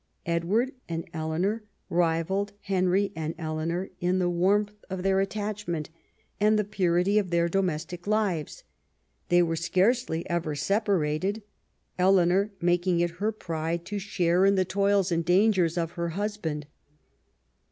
Edward and Eleanor rivalled Henry and Eleanor in the warmth of their attachment and the purity of their domestic lives. They were scarcely ever separated, Eleanor making it her pride to share in the toils and dangers of her husband.